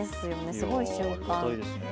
すごい瞬間。